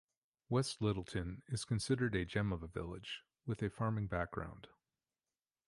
West Littleton is considered a gem of a village with a farming background.